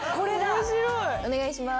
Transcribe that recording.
お願いします。